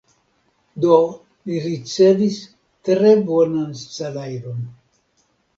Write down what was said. Do li ricevis tre bonan salajron.